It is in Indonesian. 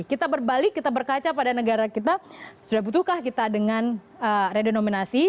kita berbalik kita berkaca pada negara kita sudah butuhkah kita dengan redenominasi